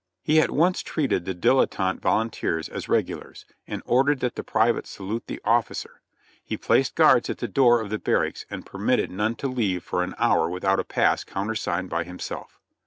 He at once treated the dilettante volunteers as regulars, and ordered that the private salute the officer; he placed guards at the door of the barracks and permitted none to leave for an hour without a pass countersigned by himself.